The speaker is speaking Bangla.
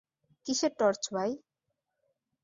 কীসের টর্চ ভাই?